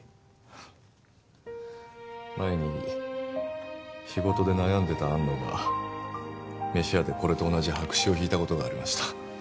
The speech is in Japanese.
前に仕事で悩んでた安野が飯屋でこれと同じ白紙を引いたことがありました